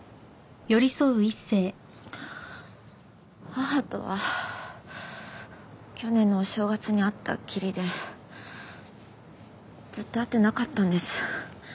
母とは去年のお正月に会ったっきりでずっと会ってなかったんです。